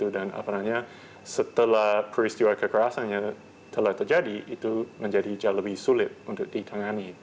dan apalagi setelah peristiwa kekerasan telah terjadi itu menjadi jauh lebih sulit untuk ditangani